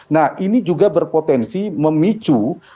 nah ini juga berpotensi memicu